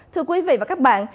thưa quý vị và các bạn